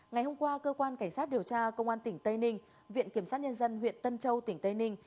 ngày hôm qua cơ quan cảnh sát điều tra công an tỉnh tây ninh viện kiểm sát nhân dân huyện tân châu tỉnh tây ninh